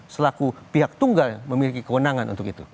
selaku pihak tunggal memiliki kewenangan untuk itu